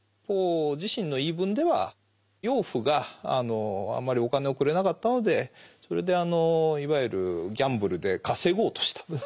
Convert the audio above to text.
ポー自身の言い分では養父があんまりお金をくれなかったのでそれでいわゆるギャンブルで稼ごうとした。